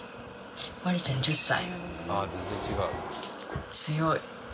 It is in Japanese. マリちゃん１０歳。